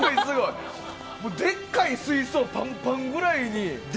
でっかい水槽ぱんぱんぐらいに。